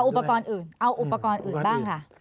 อุปกรณ์อื่นเอาอุปกรณ์อื่นบ้างค่ะ